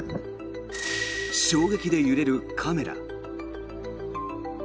衝撃で揺れるカメラ。